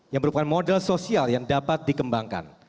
yang merupakan model sosial yang dapat dikembangkan